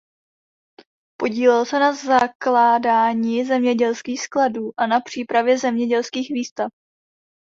Podílel se na zakládání zemědělských skladů a na přípravě zemědělských výstav.